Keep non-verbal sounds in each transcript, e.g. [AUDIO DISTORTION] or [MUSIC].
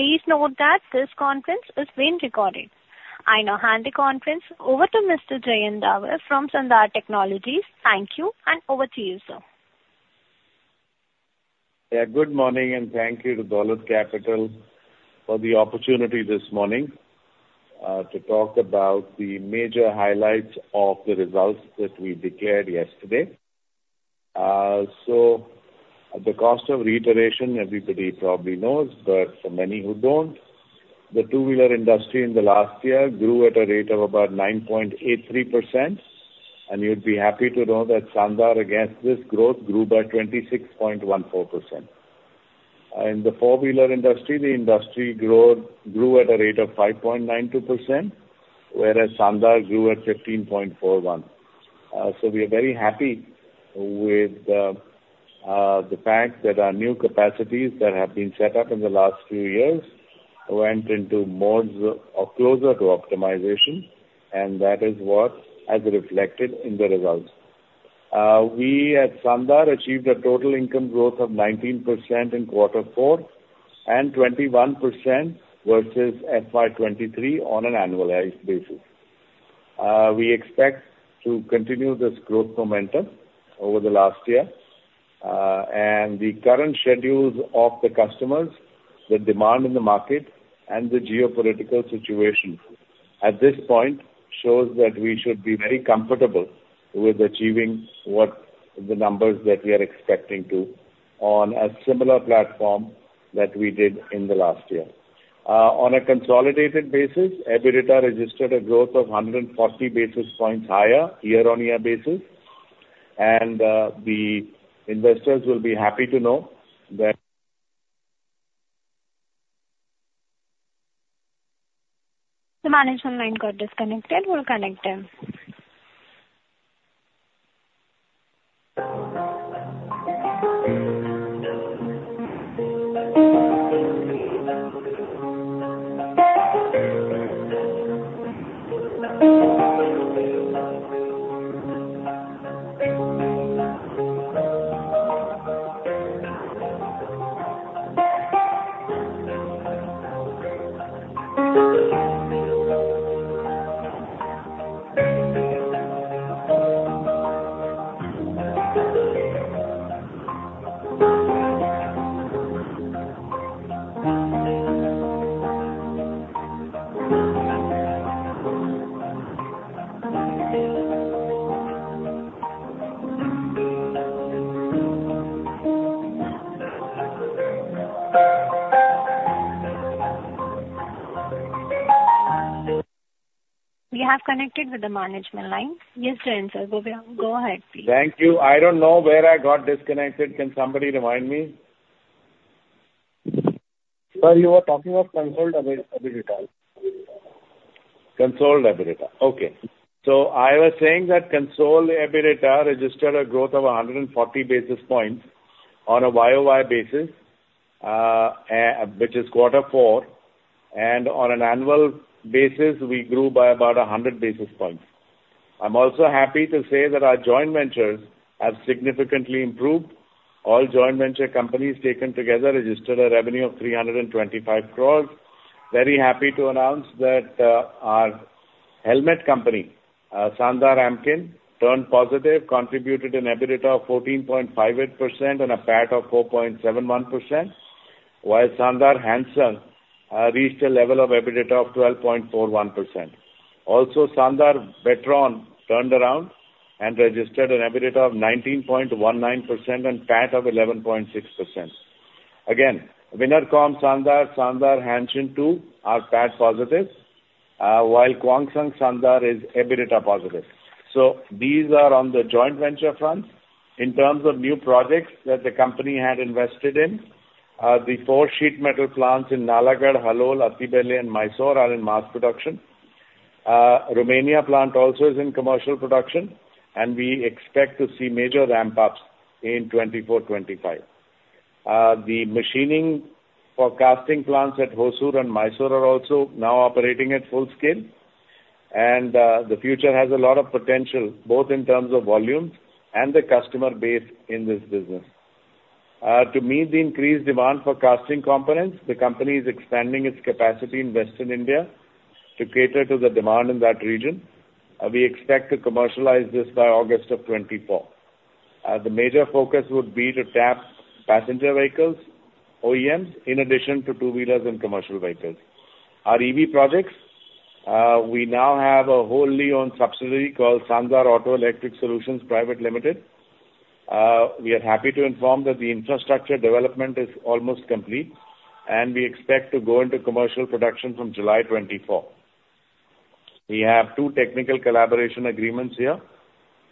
Please note that this conference is being recorded. I now hand the conference over to Mr. Jayant Davar from Sandhar Technologies. Thank you, and over to you, sir. Yeah, good morning, and thank you to Dolat Capital for the opportunity this morning to talk about the major highlights of the results that we declared yesterday. So at the cost of reiteration, everybody probably knows, but for many who don't, the two-wheeler industry in the last year grew at a rate of about 9.83%, and you'd be happy to know that Sandhar, against this growth, grew by 26.14%. In the four-wheeler industry, the industry growth grew at a rate of 5.92%, whereas Sandhar grew at 15.41%. So we are very happy with the fact that our new capacities that have been set up in the last few years went into modes of closer to optimization, and that is what has reflected in the results. We, at Sandhar, achieved a total income growth of 19% in quarter four, and 21% versus FY 2023 on an annualized basis. We expect to continue this growth momentum over the last year, and the current schedules of the customers, the demand in the market, and the geopolitical situation at this point shows that we should be very comfortable with achieving what the numbers that we are expecting to on a similar platform that we did in the last year. On a consolidated basis, EBITDA registered a growth of 140 basis points higher year-on-year basis, and the investors will be happy to know that- The management line got disconnected. We'll connect them. You have connected with the management line. Yes, Jayant sir, go ahead, please. Thank you. I don't know where I got disconnected. Can somebody remind me? Sir, you were talking of consolidated EBITDA. Consolidated EBITDA. Okay. So I was saying that consolidated EBITDA registered a growth of 140 basis points on a Y-O-Y basis, which is quarter four, and on an annual basis, we grew by about 100 basis points. I'm also happy to say that our joint ventures have significantly improved. All joint venture companies taken together, registered a revenue of 325 crore. Very happy to announce that, our helmet company, Sandhar Amkin, turned positive, contributed an EBITDA of 14.58% and a PAT of 4.71%, while Sandhar Han Sung, reached a level of EBITDA of 12.41%. Also, Sandhar Whetron turned around and registered an EBITDA of 19.19% and PAT of 11.6%. Again, Winnercom Sandhar, Sandhar Hanshin too, are PAT positive, while Kwangsung Sandhar is EBITDA positive. So these are on the joint venture front. In terms of new projects that the company had invested in, the four sheet metal plants in Nalagarh, Halol, Attibele, and Mysore are in mass production. Romania plant also is in commercial production, and we expect to see major ramp-ups in 2024, 2025. The machining for casting plants at Hosur and Mysore are also now operating at full scale, and the future has a lot of potential, both in terms of volumes and the customer base in this business. To meet the increased demand for casting components, the company is expanding its capacity in Western India to cater to the demand in that region. We expect to commercialize this by August of 2024. The major focus would be to tap passenger vehicles, OEMs, in addition to two-wheelers and commercial vehicles. Our EV projects, we now have a wholly-owned subsidiary called Sandhar Auto Electric Solutions Private Limited. We are happy to inform that the infrastructure development is almost complete, and we expect to go into commercial production from July 2024. We have two technical collaboration agreements here,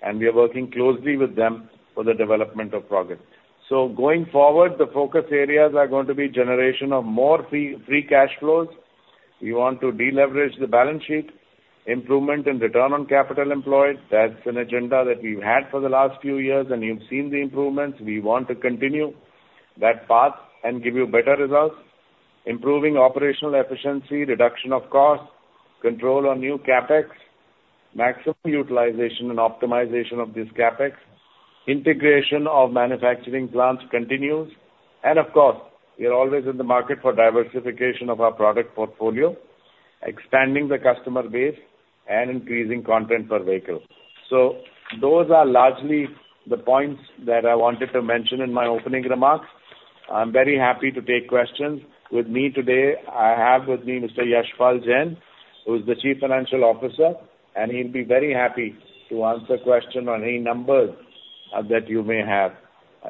and we are working closely with them for the development of progress. So going forward, the focus areas are going to be generation of more free cash flows. We want to deleverage the balance sheet. Improvement in return on capital employed, that's an agenda that we've had for the last few years, and you've seen the improvements. We want to continue that path and give you better results. Improving operational efficiency, reduction of cost, control on new CapEx. Maximum utilization and optimization of this CapEx, integration of manufacturing plants continues, and of course, we are always in the market for diversification of our product portfolio, expanding the customer base and increasing content per vehicle. So those are largely the points that I wanted to mention in my opening remarks. I'm very happy to take questions. With me today, I have with me Mr. Yashpal Jain, who is the Chief Financial Officer, and he'll be very happy to answer question on any numbers, that you may have,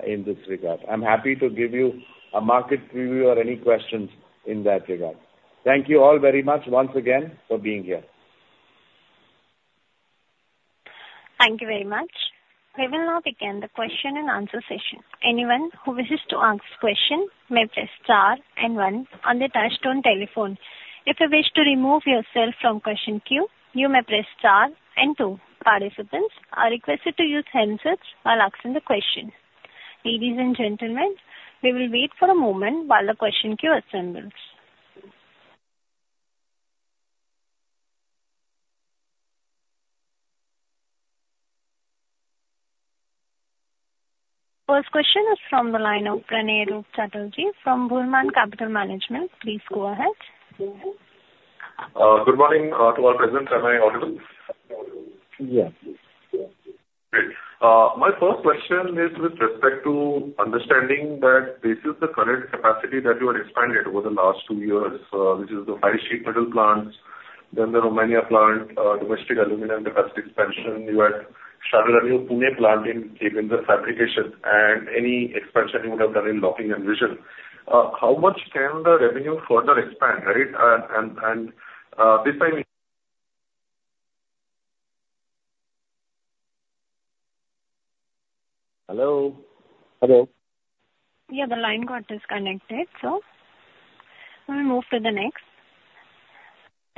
in this regard. I'm happy to give you a market preview or any questions in that regard. Thank you all very much once again for being here. Thank you very much. We will now begin the question and answer session. Anyone who wishes to ask question may press star and one on their touchtone telephone. If you wish to remove yourself from question queue, you may press star and two. Participants are requested to use handsets while asking the question. Ladies and gentlemen, we will wait for a moment while the question queue assembles. First question is from the line of Pranay Roop Chatterjee from Burman Capital. Please go ahead. Good morning to all present. Am I audible? Yeah. Great. My first question is with respect to understanding that this is the current capacity that you are expanded over the last two years, which is the five sheet metal plants, then the Romania plant, domestic aluminum capacity expansion. You had started a new Pune plant in the fabrication and any expansion you would have done in locking and vision. How much can the revenue further expand, right? And, this by me- Hello? Hello. Yeah, the line got disconnected, so we'll move to the next.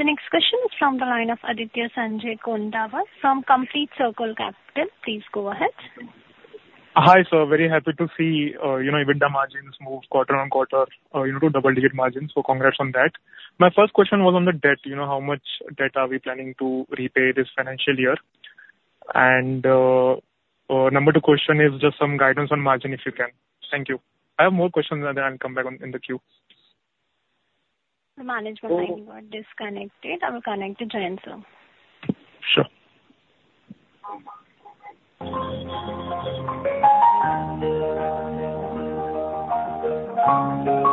The next question is from the line of Aditya Sanjay Kondawar from Complete Circle Capital. Please go ahead. Hi, sir. Very happy to see, you know, EBITDA margins move quarter on quarter, you know, to double-digit margins, so congrats on that. My first question was on the debt. You know, how much debt are we planning to repay this financial year? And, number two question is just some guidance on margin, if you can. Thank you. I have more questions, and then I'll come back on in the queue. The management line got disconnected. I will connect the gentleman, sir. Sure. The management line is connected. I just request the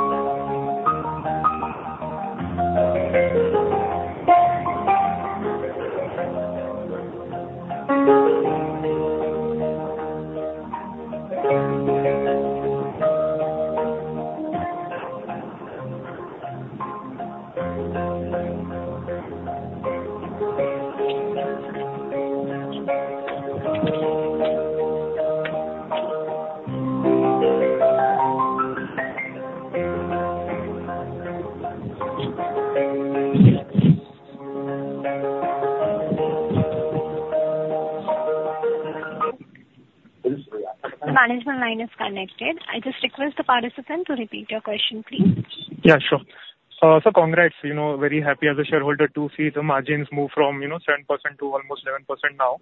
participant to repeat your question, please. Yeah, sure. So congrats. You know, very happy as a shareholder to see the margins move from, you know, 7% to almost 11% now.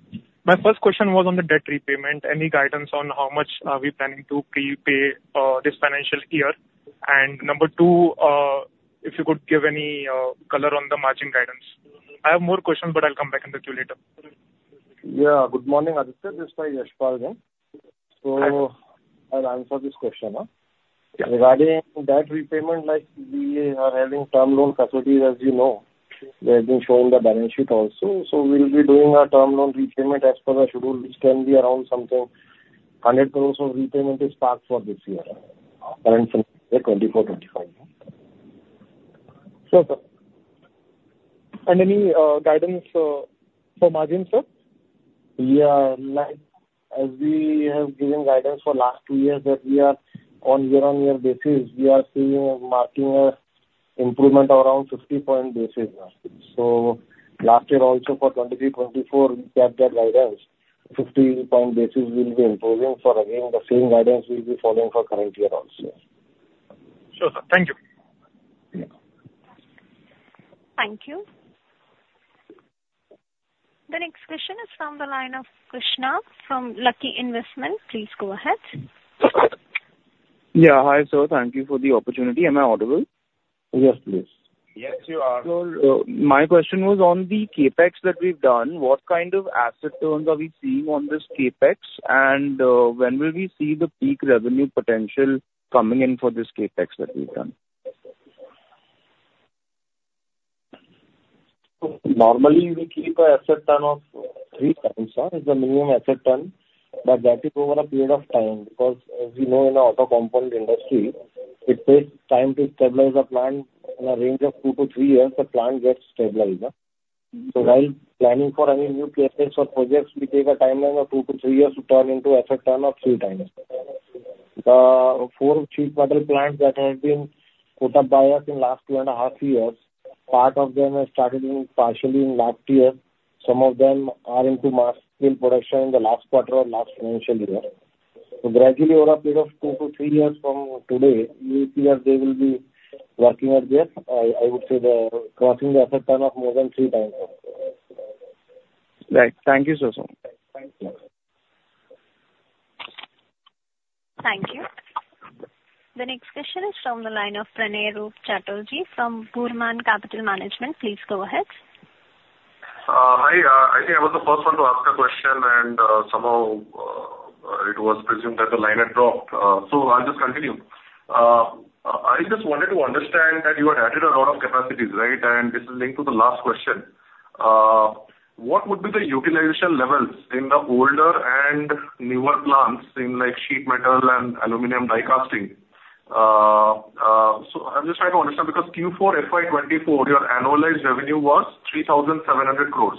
My first question was on the debt repayment. Any guidance on how much are we planning to prepay this financial year? And number two, if you could give any color on the margin guidance. I have more questions, but I'll come back in the queue later. Yeah. Good morning, Aditya, this is Yashpal Jain. Hi. So I'll answer this question. Yeah. Regarding that repayment, like, we are having term loan facilities, as you know. They've been shown in the balance sheet also. So we'll be doing a term loan repayment as per the schedule, which can be around 100 crore from repayment is parked for this year, current financial year, 2024-2025. Yeah. Sure, sir. Any guidance for margin, sir? Yeah. Like, as we have given guidance for last two years, that we are on year-on-year basis, we are seeing a margin improvement of around 50 basis points. So last year also for 2023-2024, we kept that guidance. 50 basis points will be improving for again, the same guidance will be following for current year also. Sure, sir. Thank you. Yeah. Thank you. The next question is from the line of Krishna from Lucky Investment. Please go ahead. Yeah. Hi, sir. Thank you for the opportunity. Am I audible? Yes, please. Yes, you are. My question was on the CapEx that we've done, what kind of asset turnover are we seeing on this CapEx? And, when will we see the peak revenue potential coming in for this CapEx that we've done? Normally, we keep an asset turn of 3x is the minimum asset turn, but that is over a period of time, because as we know in the auto component industry, it takes time to stabilize the plant. In a range of two-three years, the plant gets stabilized. So while planning for any new CapEx or projects, we take a timeline of two-three years to turn into asset turn of 3x. The four sheet metal plants that have been put up by us in last 2.5 years, part of them have started partially in last year. Some of them are into mass scale production in the last quarter of last financial year. So gradually, over a period of two-three years from today, you see that they will be working out there. I would say crossing the asset turnover of more than 3x. Right. Thank you so much. Thank you. Thank you. The next question is from the line of Pranay Roop Chatterjee from Burman Capital. Please go ahead. Hi, I think I was the first one to ask a question, and somehow it was presumed that the line had dropped, so I'll just continue. I just wanted to understand that you had added a lot of capacities, right? And this is linked to the last question. What would be the utilization levels in the older and newer plants in, like, sheet metal and aluminum die casting? So I'm just trying to understand, because Q4 FY 2024, your annualized revenue was 3,700 crore.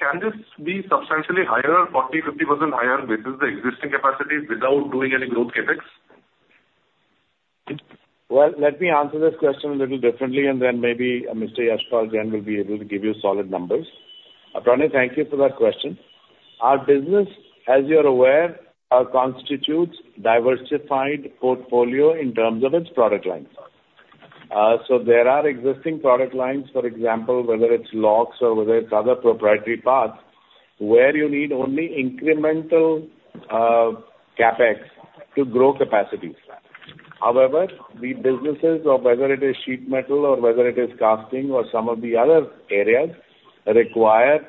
Can this be substantially higher, 40%-50% higher with the existing capacity without doing any growth CapEx? Well, let me answer this question a little differently, and then maybe Mr. Yashpal Jain will be able to give you solid numbers. Pranay, thank you for that question. Our business, as you're aware, constitutes diversified portfolio in terms of its product lines. So there are existing product lines, for example, whether it's locks or whether it's other proprietary parts, where you need only incremental CapEx to grow capacities. However, the businesses of whether it is sheet metal or whether it is casting or some of the other areas, require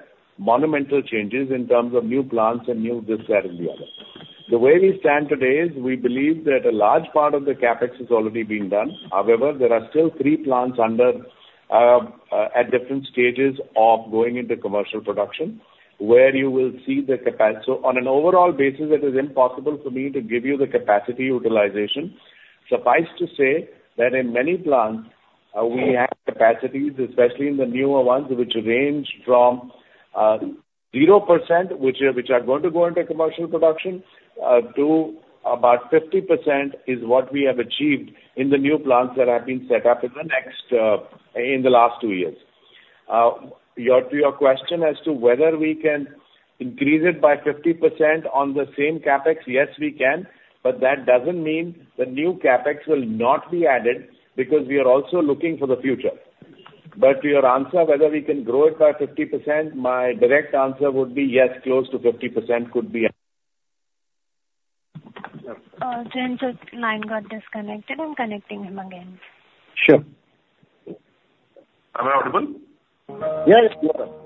monumental changes in terms of new plants and new this, that, and the other. The way we stand today is we believe that a large part of the CapEx is already being done. However, there are still three plants under at different stages of going into commercial production, where you will see the capacity. So on an overall basis, it is impossible for me to give you the capacity utilization. Suffice to say, that in many plants, we have capacities, especially in the newer ones, which range from zero percent which are going to go into commercial production to about 50% is what we have achieved in the new plants that have been set up in the last two years. To your question as to whether we can increase it by 50% on the same CapEx, yes, we can, but that doesn't mean the new CapEx will not be added, because we are also looking for the future. But to your answer, whether we can grow it by 50%, my direct answer would be yes, close to 50% could be- Jain sir, line got disconnected. I'm connecting him again. Sure. Am I audible? Yeah, yes, clear. We have connected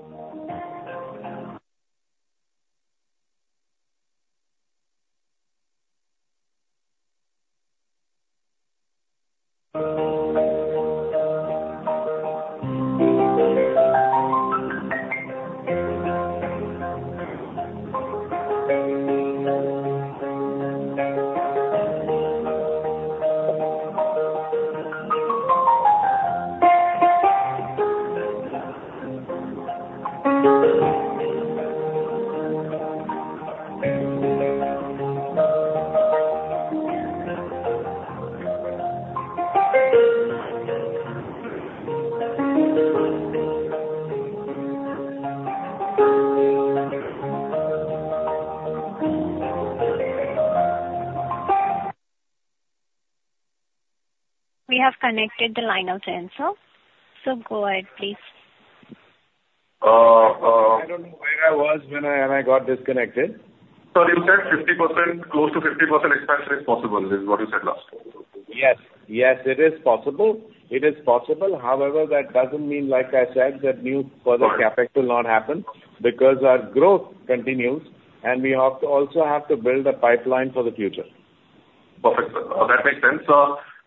the line of Jain sir. So go ahead, please. Uh, uh- I don't know where I was when I got disconnected. Sir, you said 50%, close to 50% expansion is possible, is what you said last. Yes. Yes, it is possible. It is possible. However, that doesn't mean, like I said, that new further- Right... CapEx will not happen, because our growth continues, and we also have to build a pipeline for the future. Perfect, sir. That makes sense.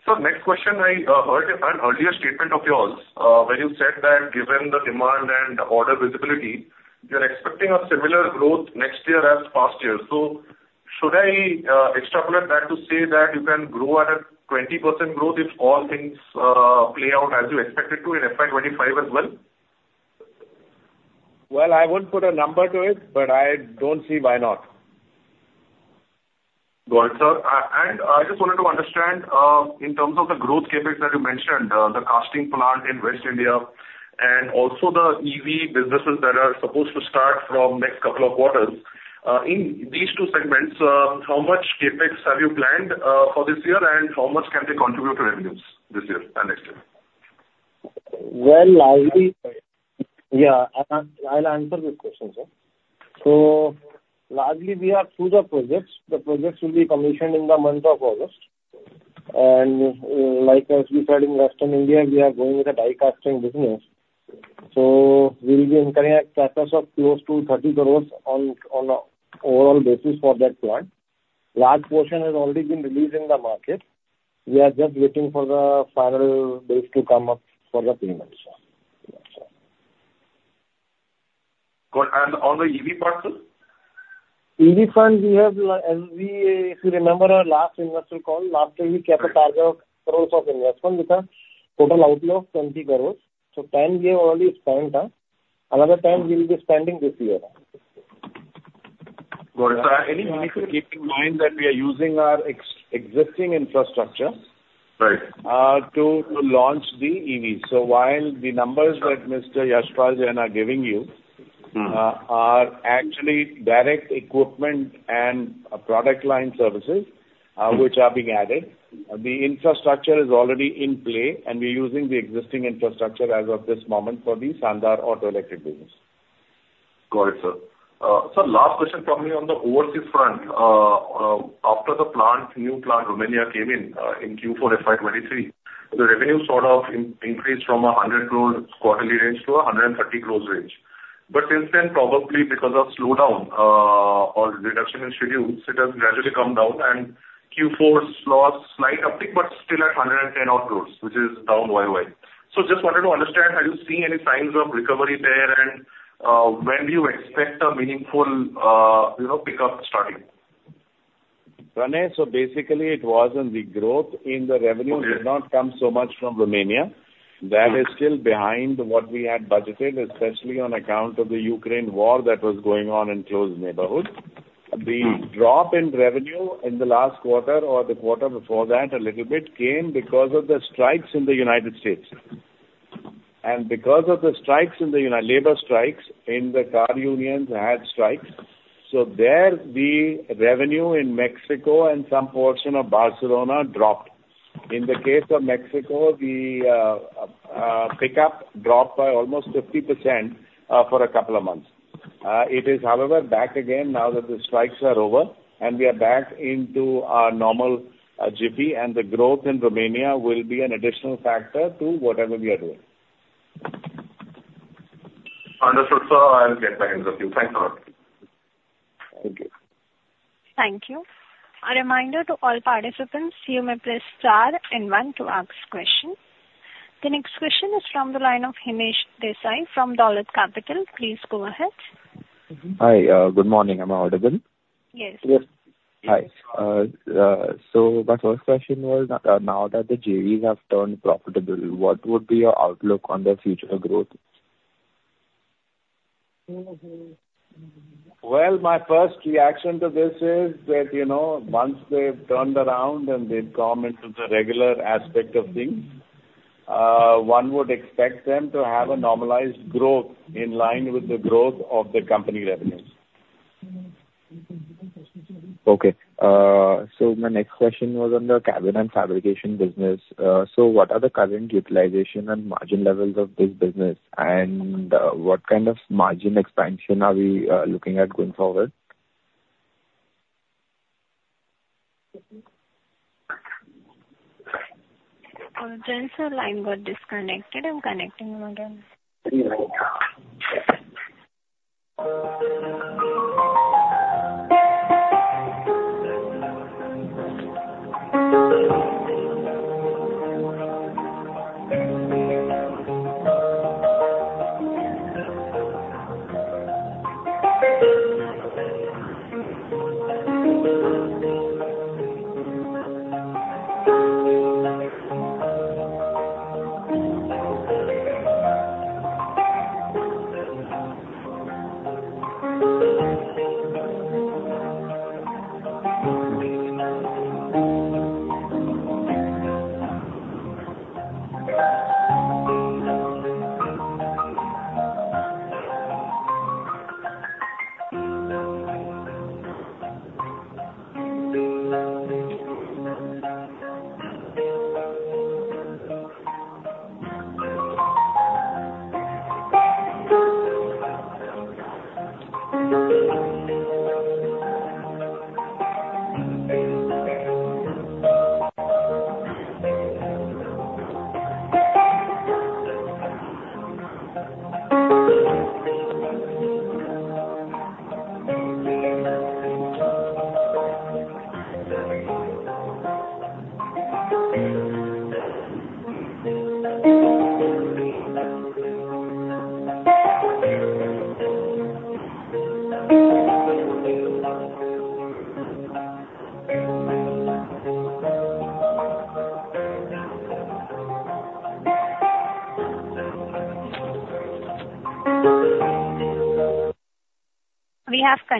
So next question, I heard an earlier statement of yours, where you said that given the demand and order visibility, you're expecting a similar growth next year as past year. So should I extrapolate that to say that you can grow at a 20% growth if all things play out as you expect it to in FY 2025 as well? Well, I won't put a number to it, but I don't see why not. Got it, sir. I just wanted to understand, in terms of the growth CapEx that you mentioned, the casting plant in Western India, and also the EV businesses that are supposed to start from next couple of quarters. In these two segments, how much CapEx have you planned, for this year, and how much can they contribute to revenues this year and next year? Well, largely... Yeah, I'll answer this question, sir. So largely, we are through the projects. The projects will be commissioned in the month of August. And like, as we said, in Western India, we are going with the die casting business. So we will be incurring a CapEx of close to 30 crore on an overall basis for that plant. A large portion has already been released in the market. We are just waiting for the final base to come up for the payments, sir. Good. And on the EV part, sir? EV front, we have, as we, if you remember our last investor call, last year we kept a target of crores of investment with a total outlay of INR 20 crore. So INR 10 crore we have already spent. Another INR 10 crore we will be spending this year. Got it. Anything- Keep in mind that we are using our existing infrastructure.... Right, to launch the EV. So while the numbers that Mr. Yashpal Jain are giving you- Mm. are actually direct equipment and a product line services, which are being added. The infrastructure is already in play, and we're using the existing infrastructure as of this moment for the Sandhar Auto Electric business. Got it, sir. Sir, last question from me on the overseas front. After the new plant in Romania came in, in Q4 FY 2023, the revenue sort of increased from 100 crore quarterly range to 130 crore range. But since then, probably because of slowdown or reduction in schedules, it has gradually come down, and Q4 saw slight uptick, but still at 110 odd crore, which is down year-over-year. So just wanted to understand, are you seeing any signs of recovery there, and when do you expect a meaningful, you know, pickup starting? Ranajay, so basically it was in the growth in the revenue- Okay. Did not come so much from Romania. Mm. That is still behind what we had budgeted, especially on account of the Ukraine war that was going on in close neighborhood. Mm. The drop in revenue in the last quarter or the quarter before that, a little bit, came because of the strikes in the United States. And because of the strikes in the United States labor strikes, in the car unions had strikes, so there, the revenue in Mexico and some portion of Barcelona dropped. In the case of Mexico, the pickup dropped by almost 50%, for a couple of months. It is, however, back again now that the strikes are over, and we are back into our normal, GP, and the growth in Romania will be an additional factor to whatever we are doing. Understood, sir. I'll get back to you. Thanks a lot. Thank you. Thank you. A reminder to all participants, you may press star and one to ask question. The next question is from the line of Hemesh Desai from Dolat Capital. Please go ahead. Hi, good morning. Am I audible? Yes. Yes. Hi. So my first question was, now that the JVs have turned profitable, what would be your outlook on their future growth? Well, my first reaction to this is that, you know, once they've turned around and they've come into the regular aspect of things, one would expect them to have a normalized growth in line with the growth of the company revenues. Okay. So my next question was on the cabin and fabrication business. So what are the current utilization and margin levels of this business, and what kind of margin expansion are we looking at going forward? Jayant,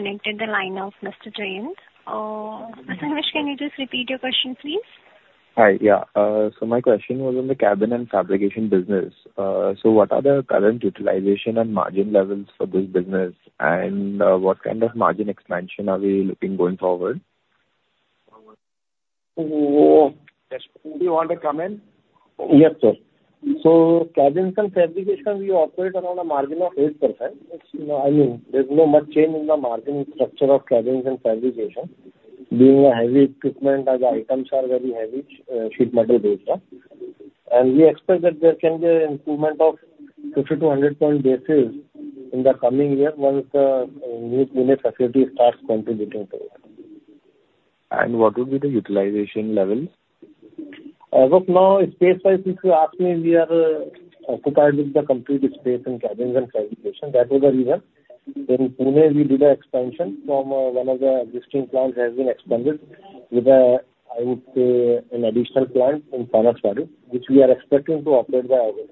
sir, line got disconnected. I'm connecting you again. Yeah. We have connected the line of Mr. Jayant. Hemesh, can you just repeat your question, please? Hi, yeah. So my question was on the Cabin and Fabrication business. So what are the current utilization and margin levels for this business? And what kind of margin expansion are we looking going forward? So, do you want to come in? Yes, sir. So cabins and fabrication, we operate around a margin of 8%. It's, you know, I mean, there's not much change in the margin structure of cabins and fabrication, being heavy equipment items are very heavy, sheet metal-based. And we expect that there can be an improvement of 50-100 basis points in the coming year, once new unit facility starts contributing to it. What will be the utilization levels? As of now, space-wise, if you ask me, we are occupied with the complete space in cabins and fabrication. That was the reason. In Pune, we did an expansion from one of the existing plants has been expanded with a, I would say, an additional plant in, [AUDIO DISTORTION] which we are expecting to operate by August....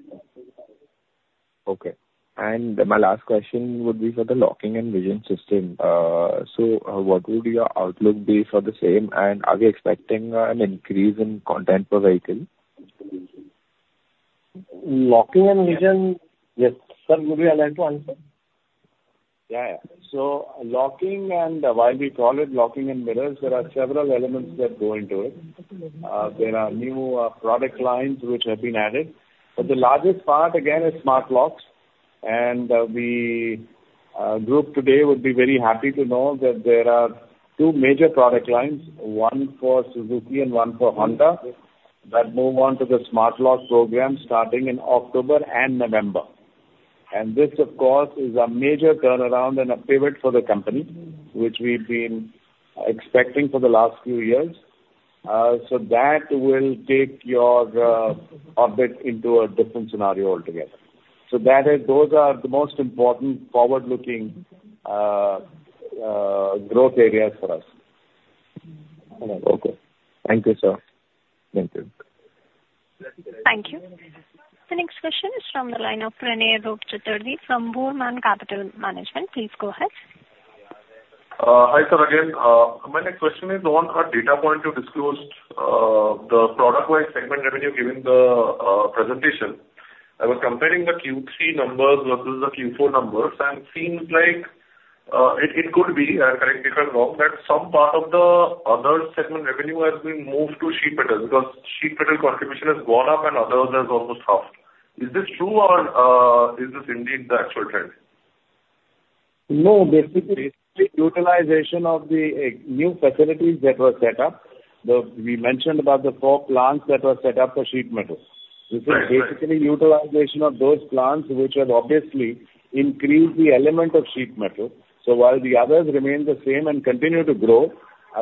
Okay. And my last question would be for the locking and vision system. What would your outlook be for the same? And are we expecting an increase in content per vehicle? Locking and Vision- Yes. Sir, would you like to answer? Yeah, yeah. So locking, and while we call it locking and mirrors, there are several elements that go into it. There are new product lines which have been added, but the largest part again, is smart locks. And we group today would be very happy to know that there are two major product lines, one for Suzuki and one for Honda, that move on to the smart lock program starting in October and November. And this, of course, is a major turnaround and a pivot for the company, which we've been expecting for the last few years. So that will take your orbit into a different scenario altogether. So that is, those are the most important forward-looking growth areas for us. Okay. Thank you, sir. Thank you. Thank you. The next question is from the line of Pranay Roop Chatterjee from Burman Capital. Please go ahead. Hi, sir, again. My next question is on a data point you disclosed, the product-wide segment revenue, given the presentation. I was comparing the Q3 numbers versus the Q4 numbers, and seems like, it, it could be, correct me if I'm wrong, that some part of the other segment revenue has been moved to Sheet Metal, because Sheet Metal contribution has gone up and Others has almost half. Is this true, or, is this indeed the actual trend? No, basically, utilization of the new facilities that were set up. We mentioned about the four plants that were set up for sheet metal. Right. This is basically utilization of those plants, which have obviously increased the element of sheet metal. So while the others remain the same and continue to grow,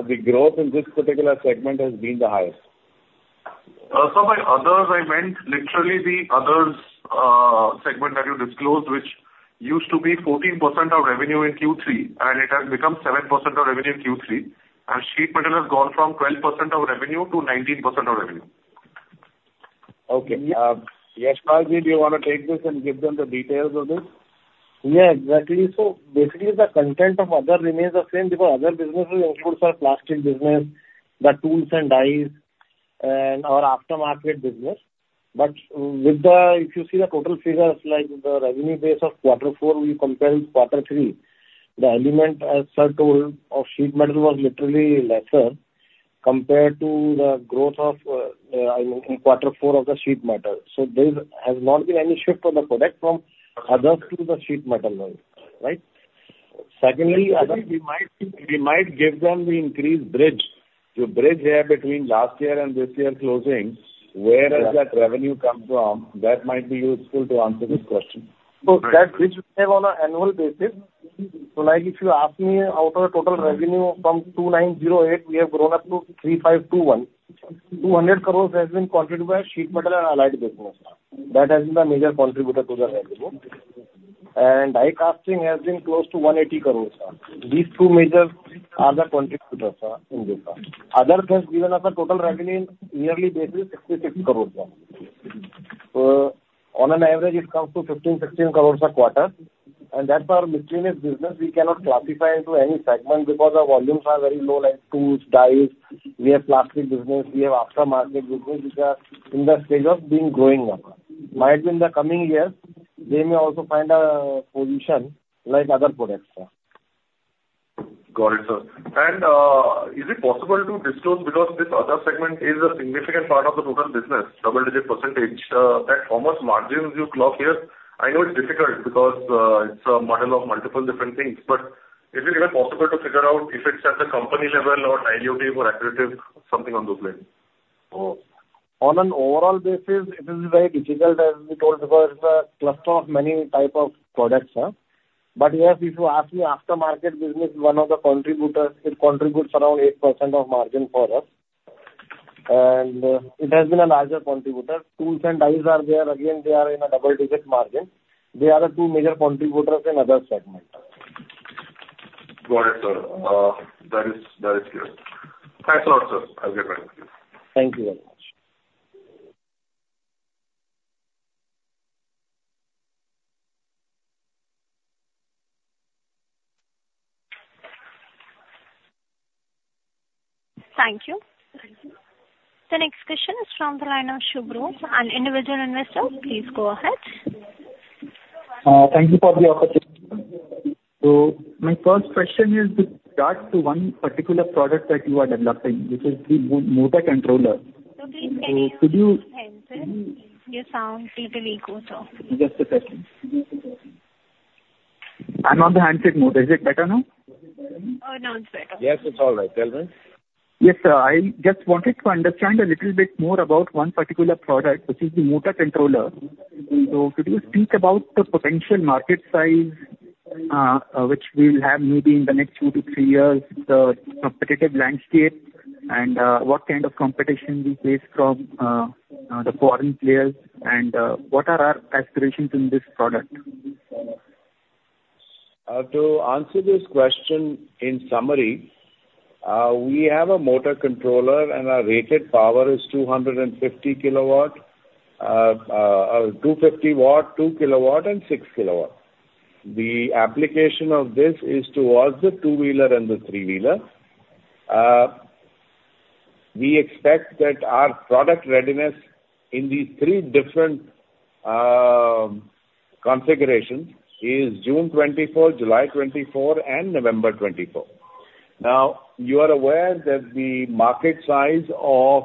the growth in this particular segment has been the highest. Sir, by others, I meant literally the others, segment that you disclosed, which used to be 14% of revenue in Q3, and it has become 7% of revenue in Q3. And sheet metal has gone from 12% of revenue to 19% of revenue. Okay. Yashpal, do you want to take this and give them the details of this? Yeah, exactly. So basically, the content of other remains the same, because other businesses includes our plastic business, the Tools and Dies, and our aftermarket business. But with the, if you see the total figures, like the revenue base of quarter four, we compare with quarter three, the element, as sir told, of Sheet Metal was literally lesser compared to the growth of, in quarter four of the Sheet Metal. So there has not been any shift on the product from others to the Sheet Metal line, right? Secondly, other- We might, we might give them the increased bridge, the bridge here between last year and this year closings. Yeah. Where does that revenue come from? That might be useful to answer this question. Right. That bridge we have on an annual basis. Like if you ask me, out of the total revenue from 2,908, we have grown up to 3,521. 200 crores has been contributed by sheet metal and allied business. That has been the major contributor to the revenue. And die casting has been close to 180 crores. These two majors are the contributors in this part. Other has given us a total revenue on yearly basis, 66 crore. So on an average, it comes to 15, 16 crore a quarter. And that's our miscellaneous business, we cannot classify into any segment because the volumes are very low, like tools, dies. We have plastic business, we have aftermarket business, which are in the stage of being growing now. Might be in the coming years, they may also find a position like other products. Got it, sir. Is it possible to disclose, because this other segment is a significant part of the total business, double-digit percentage, at how much margins you clock here? I know it's difficult because, it's a model of multiple different things, but is it even possible to figure out if it's at the company level or dilutive or accretive, something on those lines? Oh, on an overall basis, it is very difficult, as we told, because it's a cluster of many type of products. But yes, if you ask me, aftermarket business, one of the contributors, it contributes around 8% of margin for us, and it has been a larger contributor. Tools and Dies are there. Again, they are in a double-digit margin. They are the two major contributors in other segment. Got it, sir. That is, that is clear. Thanks a lot, sir. I'll get back to you. Thank you very much. Thank you. The next question is from the line of Shubro, an individual investor. Please go ahead. Thank you for the opportunity. So my first question is to start to one particular product that you are developing, which is the motor controller. Please can you... Your sound is a little echo, sir. Just a second. I'm on the handset mode. Is it better now? Now it's better. Yes, it's all right. Tell me. Yes, sir. I just wanted to understand a little bit more about one particular product, which is the motor controller. So could you speak about the potential market size, which we'll have maybe in the next two to three years, the competitive landscape, and what kind of competition we face from the foreign players, and what are our aspirations in this product? ...to answer this question, in summary, we have a motor controller and our rated power is 250 Kilowatt, 250 Watt, 2 Kilowatt and 6 Kilowatt. The application of this is towards the two-wheeler and the three-wheeler. We expect that our product readiness in these three different configurations is June 2024, July 2024, and November 2024. Now, you are aware that the market size of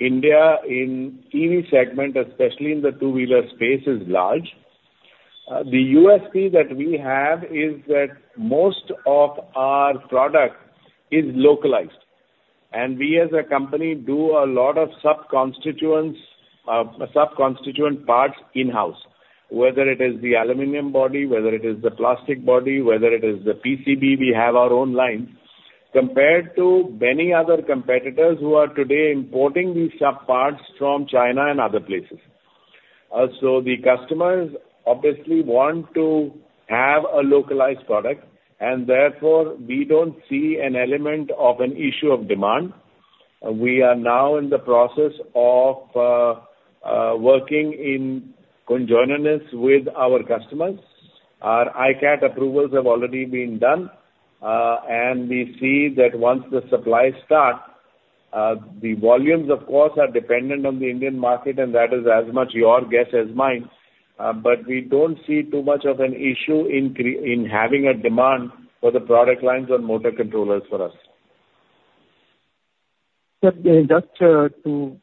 India in the EV segment, especially in the two-wheeler space, is large. The USP that we have is that most of our product is localized, and we as a company do a lot of sub-components, sub-component parts in-house, whether it is the aluminum body, whether it is the plastic body, whether it is the PCB, we have our own line, compared to many other competitors who are today importing these sub parts from China and other places. So the customers obviously want to have a localized product, and therefore we don't see an element of an issue of demand. We are now in the process of working in conjunction with our customers. Our ICAT approvals have already been done, and we see that once the supplies start, the volumes of course are dependent on the Indian market, and that is as much your guess as mine. But we don't see too much of an issue in creating a demand for the product lines or motor controllers for us. Sir, just to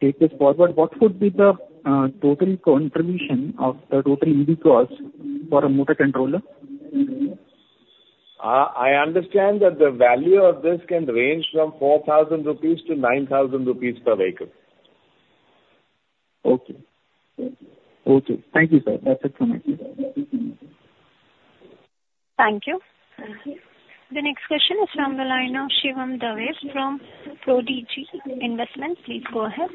take this forward, what would be the total contribution of the total EV cost for a motor controller? I understand that the value of this can range from 4,000-9,000 rupees per vehicle. Okay. Okay. Thank you, sir. That's it from my end. Thank you. The next question is from the line of Shivam Dave, from Prodigy Investment Management. Please go ahead.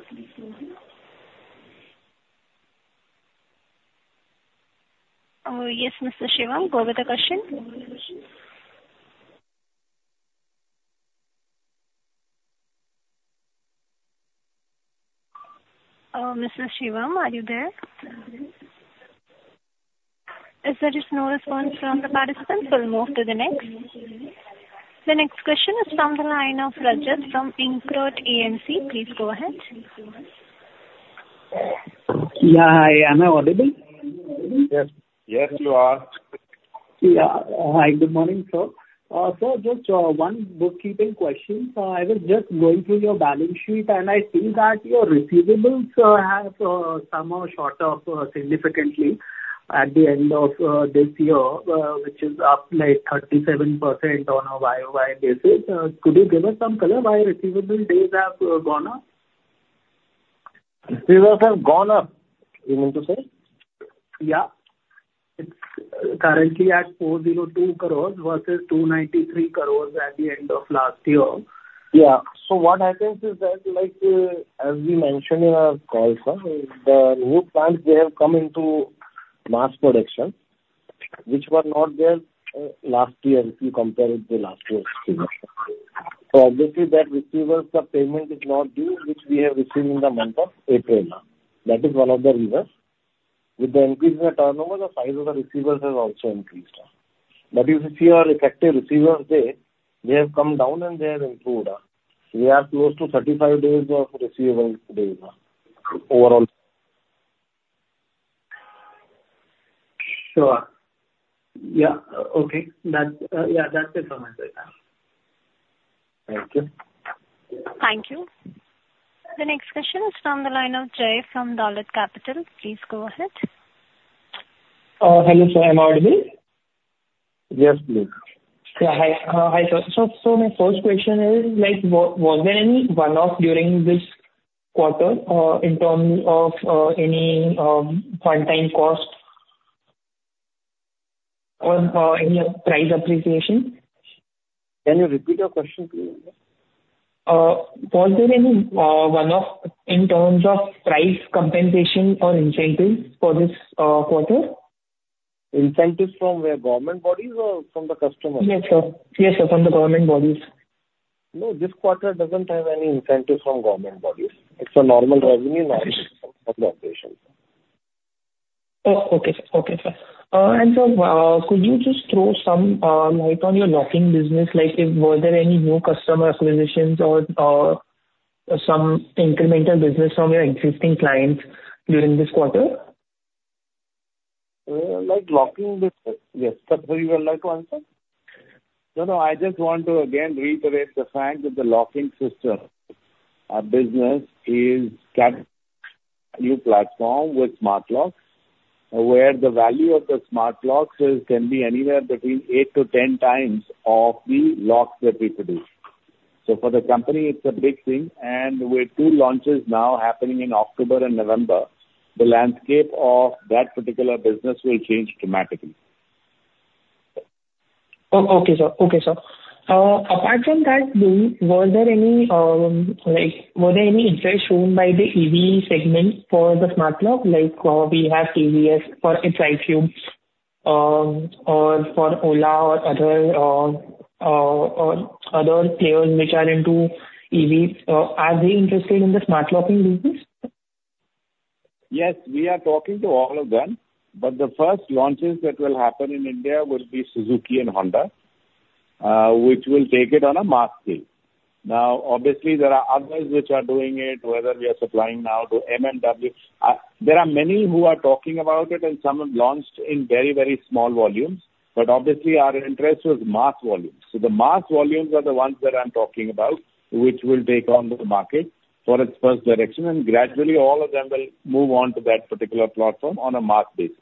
Yes, Mr. Shivam, go with the question. Mr. Shivam, are you there? As there is no response from the participant, we'll move to the next. The next question is from the line of Rajat from InCred Asset Management. Please go ahead. Yeah, hi. Am I audible? Yes. Yes, you are. Yeah. Hi, good morning, sir. So just one bookkeeping question. I was just going through your balance sheet, and I see that your receivables have somehow shot up significantly at the end of this year, which is up, like, 37% on a YOY basis. Could you give us some color why receivable days have gone up? Receivables have gone up, you mean to say? Yeah. It's currently at 402 crore versus 293 crore at the end of last year. Yeah. So what happens is that, like, as we mentioned in our call, sir, the new plants, they have come into mass production, which were not there, last year, if you compare it to last year's figure. So obviously, that receivables of payment is not due, which we have received in the month of April now. That is one of the reasons. With the increase in the turnover, the size of the receivables has also increased. But if you see our effective receivables there, they have come down and they have improved. We are close to 35 days of receivable days now, overall. Sure. Yeah, okay. That's, yeah, that's it from my side. Thank you. Thank you. The next question is from the line of Jay, from Dolat Capital. Please go ahead. Hello, sir. Am I audible? Yes, please. Yeah. Hi, hi, sir. So my first question is, like, was there any one-off during this quarter in terms of any one-time cost or any price appreciation? Can you repeat the question please? Was there any one-off in terms of price compensation or incentives for this quarter? Incentives from where, government bodies or from the customers? Yes, sir. Yes, sir, from the government bodies. No, this quarter doesn't have any incentives from government bodies. It's a normal revenue generation for the operation. Oh, okay, sir. Okay, sir. And sir, could you just throw some light on your locking business, like if there were any new customer acquisitions or some incremental business from your existing clients during this quarter? Like, locking business? Yes, Sandhar would like to answer. No, no, I just want to again reiterate the fact that the locking system, our business is getting a new platform with smart locks, where the value of the smart locks is, can be anywhere between 8x-10x of the locks that we produce. So for the company, it's a big thing, and with two launches now happening in October and November, the landscape of that particular business will change dramatically.... Okay, sir. Okay, sir. Apart from that deal, were there any interest shown by the EV segment for the smart lock? Like, we have TVS for its iQube, or for Ola or other players which are into EVs. Are they interested in the smart locking business? Yes, we are talking to all of them, but the first launches that will happen in India will be Suzuki and Honda, which will take it on a mass scale. Now, obviously, there are others which are doing it, whether we are supplying now to MMW. There are many who are talking about it, and some have launched in very, very small volumes, but obviously our interest was mass volumes. So the mass volumes are the ones that I'm talking about, which will take on the market for its first direction, and gradually all of them will move on to that particular platform on a mass basis.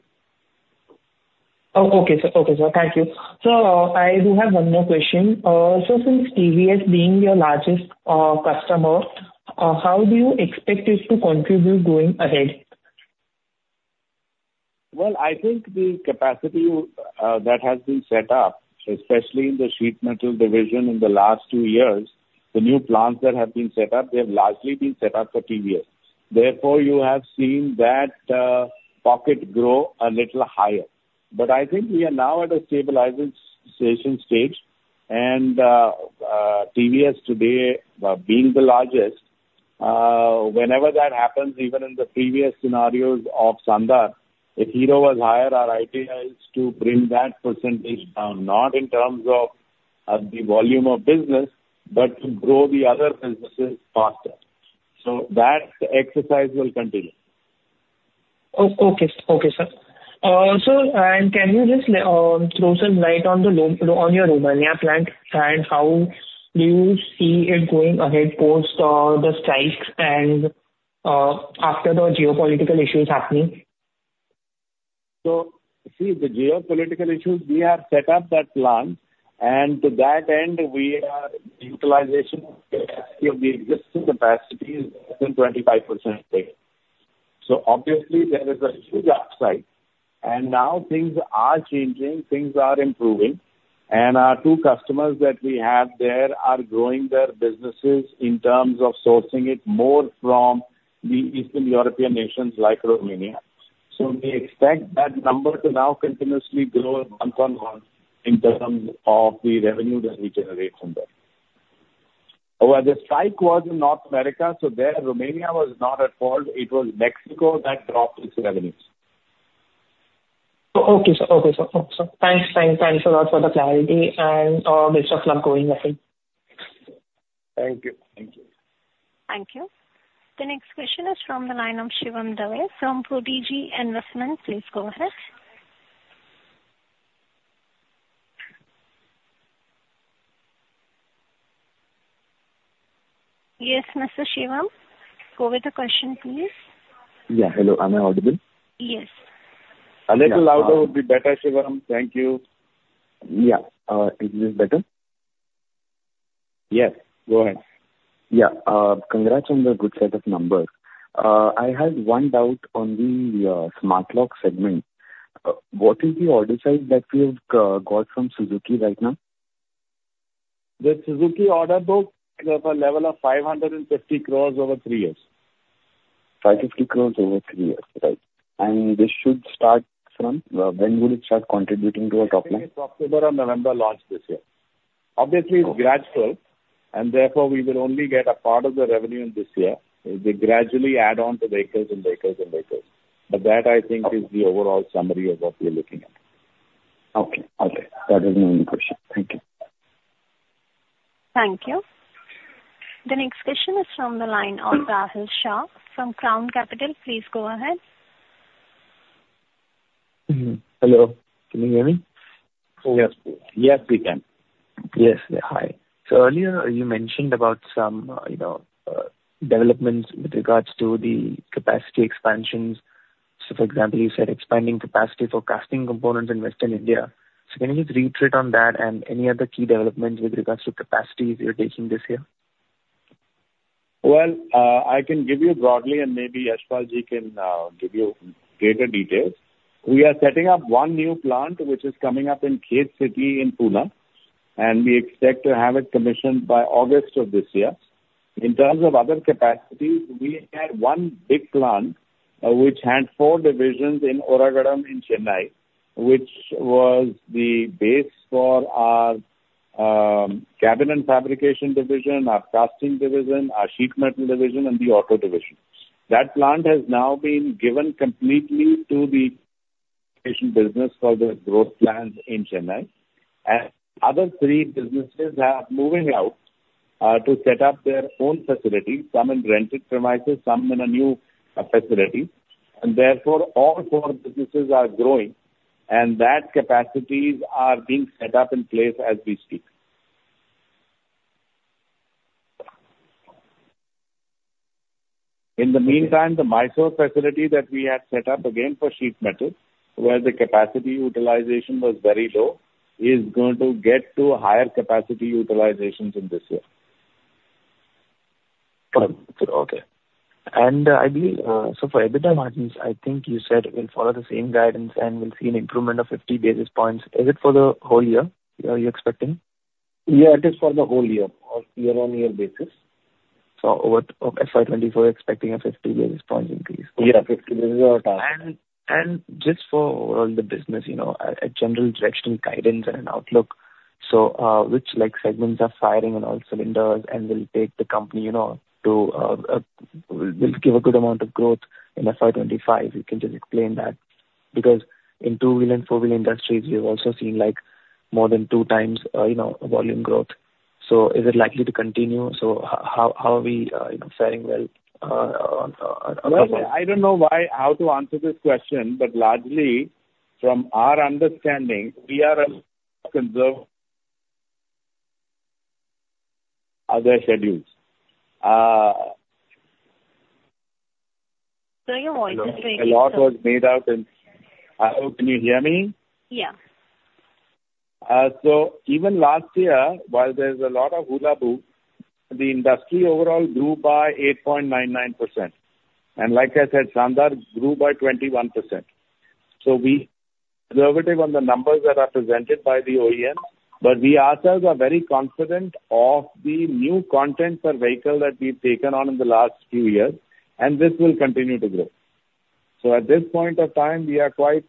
Oh, okay, sir. Okay, sir, thank you. Sir, I do have one more question. So since TVS being your largest customer, how do you expect this to contribute going ahead? Well, I think the capacity that has been set up, especially in the sheet metal division in the last two years, the new plants that have been set up, they have largely been set up for TVS. Therefore, you have seen that pocket grow a little higher. But I think we are now at a stabilization stage, and TVS today being the largest, whenever that happens, even in the previous scenarios of Sandhar, if Hero was higher, our idea is to bring that percentage down, not in terms of the volume of business, but to grow the other businesses faster, so that exercise will continue. Okay. Okay, sir. Sir, and can you just throw some light on your Romania plant, and how do you see it going ahead post the strikes and after the geopolitical issues happening? So see, the geopolitical issues, we have set up that plant, and to that end, we are utilization of the existing capacity is less than 25% there. So obviously there is a huge upside, and now things are changing, things are improving, and our two customers that we have there are growing their businesses in terms of sourcing it more from the Eastern European nations like Romania. So we expect that number to now continuously grow month-on-month in terms of the revenue that we generate from there. Well, the strike was in North America, so there, Romania was not at fault. It was Mexico that dropped its revenues. Okay, sir. Okay, sir. Okay, sir. Thanks. Thanks, thanks a lot for the clarity and best of luck going ahead. Thank you. Thank you. Thank you. The next question is from the line of Shivam Dave from Prodigy Investments. Please go ahead. Yes, Mr. Shivam, go with the question, please. Yeah, hello, am I audible? Yes. A little louder would be better, Shivam. Thank you. Yeah. Is this better? Yes, go ahead. Yeah. Congrats on the good set of numbers. I had one doubt on the smart lock segment. What is the order size that we have got from Suzuki right now? The Suzuki order book is of a level of 550 crore over three years. 550 crore over three years, right. And this should start from, when will it start contributing to our top line? October or November launch this year. Obviously, it's gradual, and therefore, we will only get a part of the revenue in this year. It will gradually add on to vehicles and vehicles and vehicles, but that, I think, is the overall summary of what we are looking at. Okay. Okay, that was my only question. Thank you. Thank you. The next question is from the line of Rahil Shah from Crown Capital. Please go ahead. Hello, can you hear me? Yes. Yes, we can. Yes. Hi. So earlier, you mentioned about some, you know, developments with regards to the capacity expansions. So, for example, you said expanding capacity for casting components in Western India. So can you just reiterate on that and any other key developments with regards to capacities you're taking this year? Well, I can give you broadly, and maybe Yashpal Ji can give you greater details. We are setting up one new plant, which is coming up in Khed City in Pune, and we expect to have it commissioned by August of this year. In terms of other capacities, we had one big plant, which had four divisions in Oragadam in Chennai, which was the base for our cabin and fabrication division, our casting division, our sheet metal division, and the auto division. That plant has now been given completely to the painting business for the growth plans in Chennai, and other three businesses are moving out to set up their own facilities, some in rented premises, some in a new facility, and therefore, all four businesses are growing, and those capacities are being set up in place as we speak. In the meantime, the Mysore facility that we had set up again for sheet metal, where the capacity utilization was very low, is going to get to higher capacity utilizations in this year.... Got it. Okay. And I believe, so for EBITDA margins, I think you said we'll follow the same guidance and we'll see an improvement of 50 basis points. Is it for the whole year, are you expecting? Yeah, it is for the whole year, on year-over-year basis. Over FY 2024, expecting a 50 basis points increase? Yeah, 50 basis is our target. Just for overall the business, you know, a general directional guidance and an outlook. So, which like segments are firing on all cylinders and will take the company, you know, will give a good amount of growth in FY 2025. You can just explain that. Because in two-wheel and four-wheel industries, we have also seen like more than two times, you know, volume growth. So is it likely to continue? So how are we, you know, well on- Well, I don't know why, how to answer this question, but largely from our understanding, we are conservative. Other schedules. Sir, your voice is breaking. A lot was made out in... Can you hear me? Yeah. So even last year, while there's a lot of hullabaloo, the industry overall grew by 8.99%. And like I said, Sandhar grew by 21%. So we conservative on the numbers that are presented by the OEM, but we ourselves are very confident of the new content per vehicle that we've taken on in the last few years, and this will continue to grow. So at this point of time, we are quite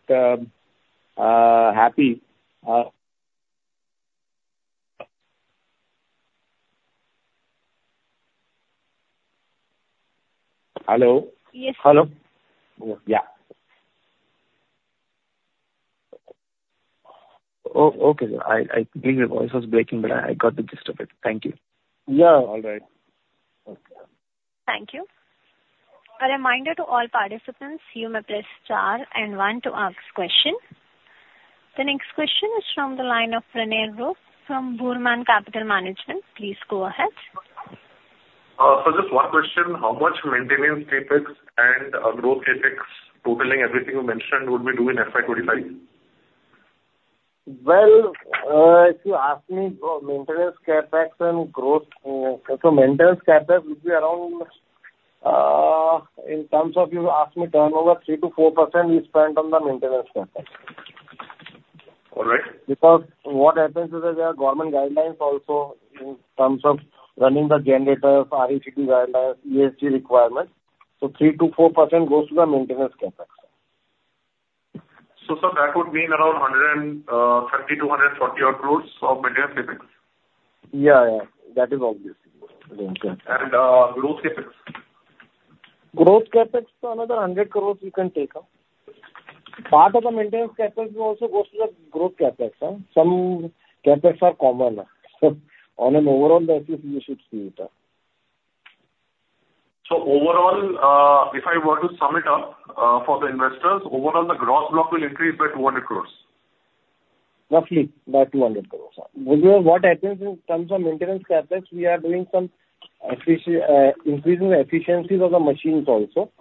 happy. Hello? Yes Hello. Yeah. Okay, sir. I agree your voice was breaking, but I got the gist of it. Thank you. Yeah. All right. Okay. Thank you. A reminder to all participants, you may press star and one to ask question. The next question is from the line of Pranay Roop Chatterjee from Burman Capital. Please go ahead. Just one question, how much maintenance CapEx and growth CapEx, totaling everything you mentioned, would we do in FY 2025? Well, if you ask me about maintenance CapEx and growth, so maintenance CapEx would be around, in terms of you ask me turnover, 3%-4% is spent on the maintenance CapEx. All right. Because what happens is that there are government guidelines also in terms of running the generators, RECD guidelines, ESG requirements, so 3%-4% goes to the maintenance CapEx. So, sir, that would mean around 130-140 odd crores of maintenance CapEx? Yeah, yeah. That is obvious. Growth CapEx? Growth CapEx, another 100 crore you can take up. Part of the maintenance CapEx will also go to the growth CapEx, some CapEx are common, so on an overall basis, you should see it up. So overall, if I were to sum it up, for the investors, overall the gross block will increase by 200 crore? Roughly, by 200 crore. Because what happens in terms of maintenance CapEx, we are doing some increasing the efficiencies of the machines also,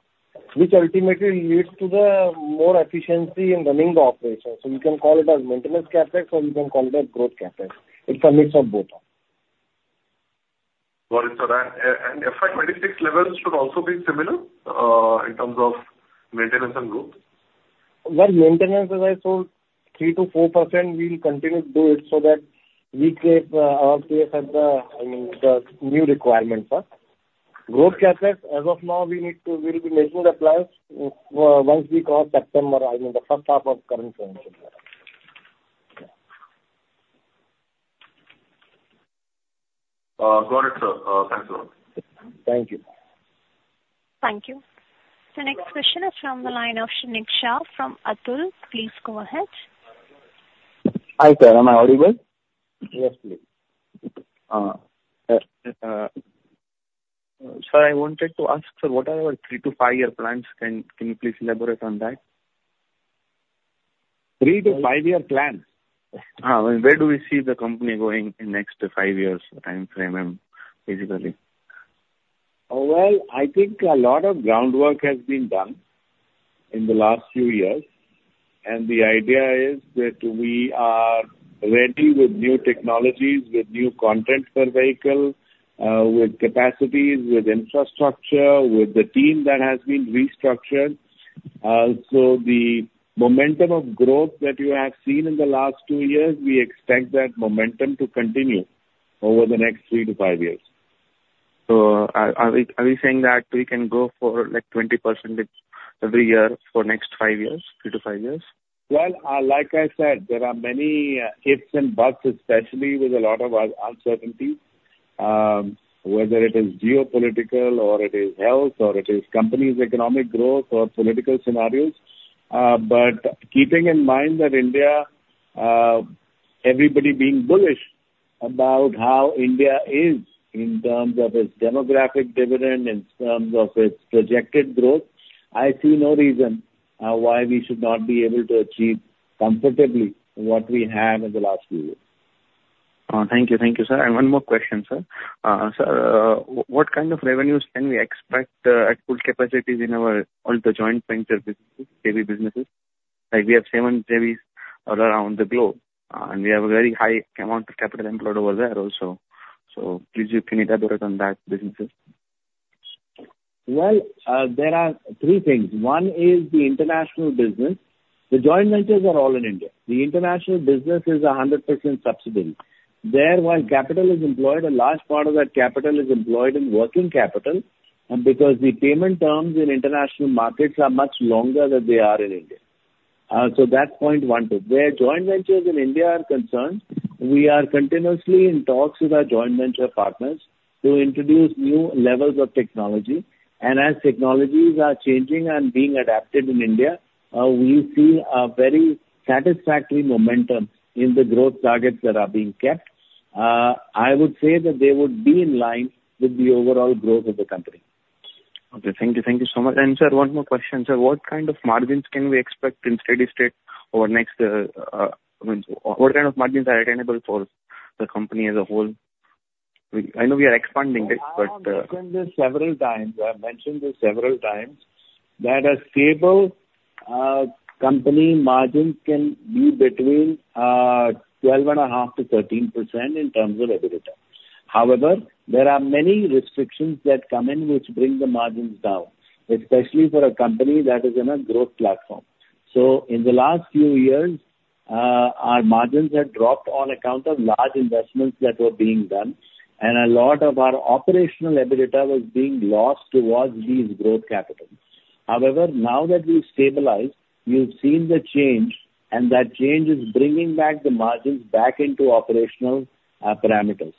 which ultimately leads to the more efficiency in running the operation. So you can call it as maintenance CapEx, or you can call it as growth CapEx. It's a mix of both. Got it, sir. And FY2026 levels should also be similar in terms of maintenance and growth? Well, maintenance, as I told, 3%-4%, we will continue to do it so that we take our pace at the, I mean, the new requirements are. Growth CapEx, as of now, we need to, we'll be making the plans once we cover September, I mean, the first half of current financial year. Got it, sir. Thank you. Thank you. Thank you. The next question is from the line of Shrenik Shah from Atul. Please go ahead. Hi, sir. Am I audible? Yes, please. Sir, I wanted to ask, sir, what are our three-to-five-year plans? Can you please elaborate on that? three-to-five-year plan? Where do we see the company going in next to five years timeframe, basically? Well, I think a lot of groundwork has been done in the last few years, and the idea is that we are ready with new technologies, with new content per vehicle, with capacities, with infrastructure, with the team that has been restructured. So the momentum of growth that you have seen in the last two years, we expect that momentum to continue over the next three to five years. So are we saying that we can go for, like, 20% every year for next five years, three-five years? Well, like I said, there are many ifs and buts, especially with a lot of uncertainty, whether it is geopolitical or it is health, or it is companies' economic growth or political scenarios. But keeping in mind that India, everybody being bullish about how India is in terms of its demographic dividend, in terms of its projected growth, I see no reason why we should not be able to achieve comfortably what we have in the last few years. Thank you. Thank you, sir. And one more question, sir. Sir, what kind of revenues can we expect at full capacities in our all the joint venture businesses, JV businesses? Like we have seven JVs all around the globe, and we have a very high amount of capital employed over there also. So please, you can elaborate on that businesses. Well, there are three things. One is the international business. The joint ventures are all in India. The international business is a 100% subsidiary. There, while capital is employed, a large part of that capital is employed in working capital, and because the payment terms in international markets are much longer than they are in India. So that's point one, two. Where joint ventures in India are concerned, we are continuously in talks with our joint venture partners to introduce new levels of technology, and as technologies are changing and being adapted in India, we see a very satisfactory momentum in the growth targets that are being kept. I would say that they would be in line with the overall growth of the company. Okay. Thank you. Thank you so much. Sir, one more question: Sir, what kind of margins can we expect in steady state over next, I mean, what kind of margins are attainable for the company as a whole? I know we are expanding this, but, I have mentioned this several times. I've mentioned this several times, that a stable, company margin can be between 12.5%-13% in terms of EBITDA. However, there are many restrictions that come in, which bring the margins down, especially for a company that is in a growth platform. So in the last few years, our margins have dropped on account of large investments that were being done, and a lot of our operational EBITDA was being lost towards these growth capitals. However, now that we've stabilized, you've seen the change, and that change is bringing back the margins back into operational, parameters.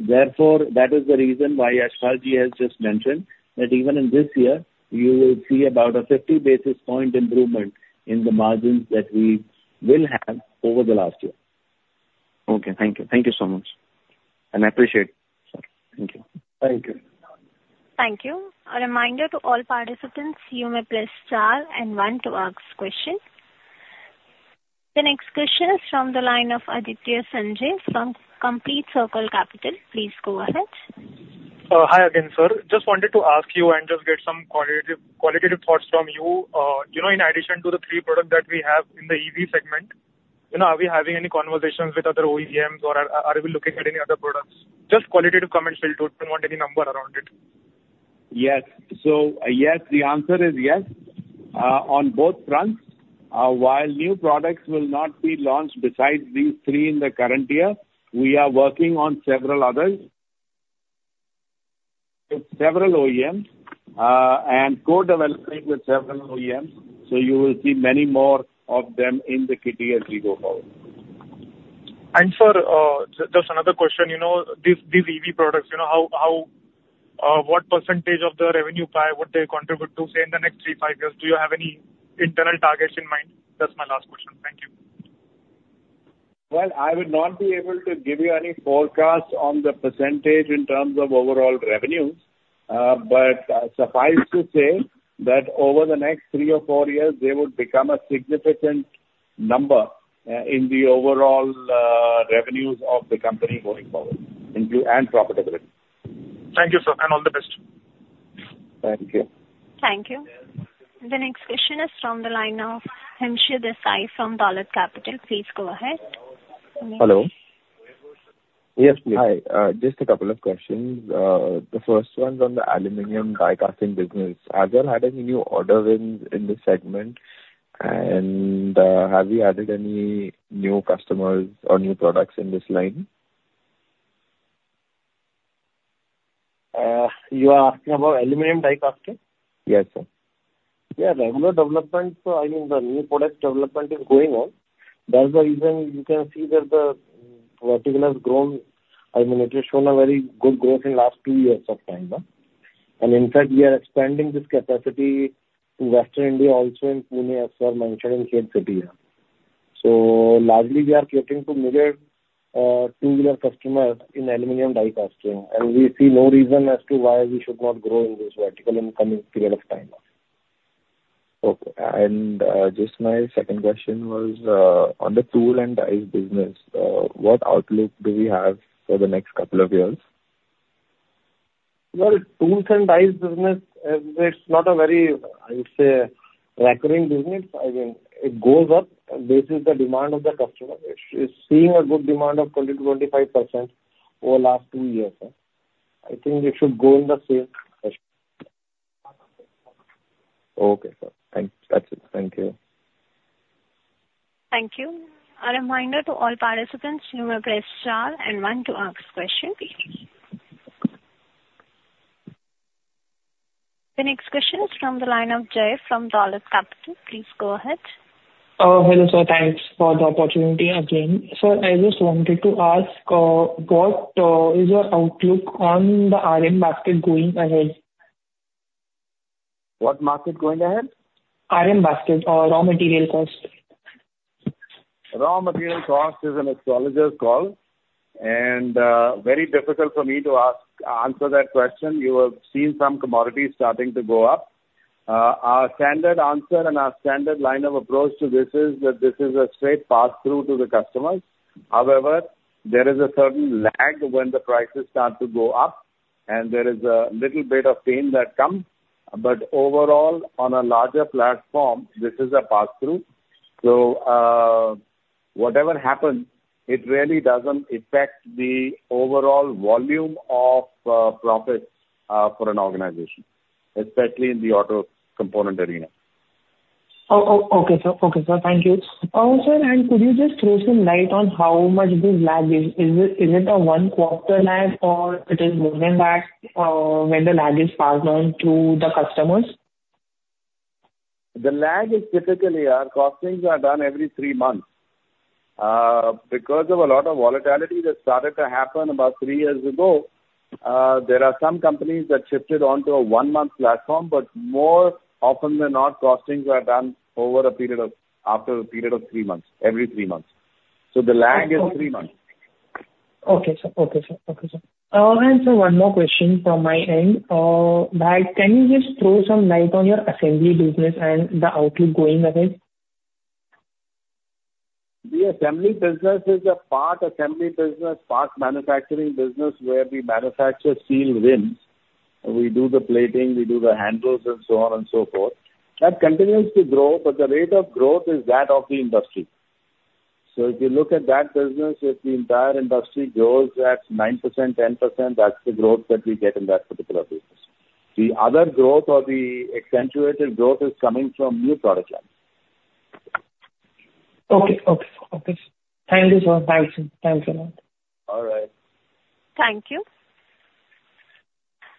Therefore, that is the reason why Yashpal ji has just mentioned, that even in this year, you will see about a 50 basis point improvement in the margins that we will have over the last year. Okay. Thank you. Thank you so much, and I appreciate, sir. Thank you. Thank you. Thank you. A reminder to all participants, you may press star and one to ask question. The next question is from the line of Aditya Sanjay from Complete Circle Capital. Please go ahead. Hi again, sir. Just wanted to ask you and just get some qualitative thoughts from you. You know, in addition to the three products that we have in the EV segment, you know, are we having any conversations with other OEMs, or are we looking at any other products? Just qualitative comments will do. Don't want any number around it. Yes. So yes, the answer is yes, on both fronts. While new products will not be launched besides these three in the current year, we are working on several others with several OEMs, and co-developing with several OEMs, so you will see many more of them in the kitty as we go forward. Sir, just another question. You know, these, these EV products, you know, how, how, what percentage of the revenue pie would they contribute to, say, in the next three, five years? Do you have any internal targets in mind? That's my last question. Thank you. Well, I would not be able to give you any forecast on the percentage in terms of overall revenues, but suffice to say that over the next three or four years, they would become a significant number in the overall revenues of the company going forward, including and profitability. Thank you, sir, and all the best. Thank you. Thank you. The next question is from the line of Hemesh Desai from Dolat Capital. Please go ahead. Hello? Yes, please. Hi. Just a couple of questions. The first one's on the aluminum die casting business. Have you had any new order in this segment? And, have you added any new customers or new products in this line? You are asking about aluminum die casting? Yes, sir. Yeah, regular development. So I mean, the new product development is going on. That's the reason you can see that the vertical has grown. I mean, it has shown a very good growth in last two years of time, and in fact, we are expanding this capacity to Western India, also in Pune, as well mentioned in Khed City. So largely, we are catering to mainly two-wheeler customers in aluminum die casting, and we see no reason as to why we should not grow in this vertical in coming period of time. Okay. And just my second question was on the tool and dies business. What outlook do we have for the next couple of years? Well, Tools and Dies business, it's not a very, I would say, recurring business. I mean, it goes up, and this is the demand of the customer. It's seeing a good demand of 20%-25% over the last two years. I think it should go in the sales. Okay, sir. Thank you. That's it. Thank you. Thank you. A reminder to all participants, you may press star and one to ask question. The next question is from the line of Jay from Dolat Capital. Please go ahead. Hello, sir. Thanks for the opportunity again. Sir, I just wanted to ask, what is your outlook on the RM basket going ahead? What market going ahead? RM basket, raw material cost. Raw material cost is an astrologer's call, and very difficult for me to answer that question. You have seen some commodities starting to go up. Our standard answer and our standard line of approach to this is that this is a straight pass-through to the customers. However, there is a certain lag when the prices start to go up. And there is a little bit of pain that comes. But overall, on a larger platform, this is a pass-through. So, whatever happens, it really doesn't affect the overall volume of profits for an organization, especially in the auto component arena. Okay, sir. Okay, sir, thank you. Sir, and could you just throw some light on how much this lag is? Is it a one quarter lag, or is it more than that, when the lag is passed on to the customers? The lag is typically, our costings are done every three months. Because of a lot of volatility that started to happen about three years ago, there are some companies that shifted on to a one-month platform, but more often than not, costings are done over a period of—after a period of three months, every three months. So the lag is three months. Okay, sir. Okay, sir. Okay, sir. And, sir, one more question from my end. That, can you just throw some light on your assembly business and the outlook going ahead? The assembly business is a part assembly business, parts manufacturing business, where we manufacture steel rims. We do the plating, we do the handles and so on and so forth. That continues to grow, but the rate of growth is that of the industry. So if you look at that business, if the entire industry grows at 9%, 10%, that's the growth that we get in that particular business. The other growth or the accentuated growth is coming from new product lines. Okay. Okay. Okay, sir. Thank you, sir. Thanks. Thanks a lot. All right. Thank you.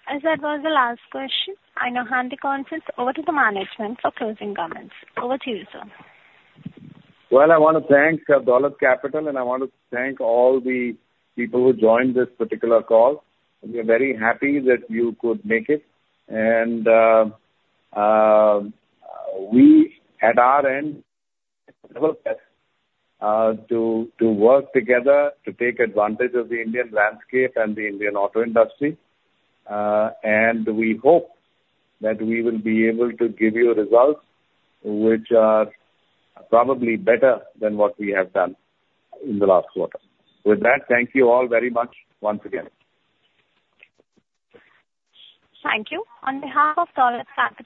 As that was the last question, I now hand the conference over to the management for closing comments. Over to you, sir. Well, I want to thank Dolat Capital, and I want to thank all the people who joined this particular call. We are very happy that you could make it. We at our end to work together to take advantage of the Indian landscape and the Indian auto industry. We hope that we will be able to give you results which are probably better than what we have done in the last quarter. With that, thank you all very much once again. Thank you. On behalf of Dolat Capital-